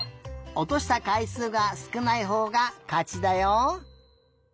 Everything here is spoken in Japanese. おとしたかいすうがすくないほうがかちだよ。